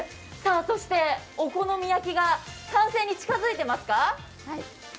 そしてお好み焼きが完成に近づいてますか。